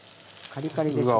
カリカリです。